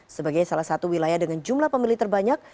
sebagai salah satu wilayah dengan jumlah pemilih terbanyak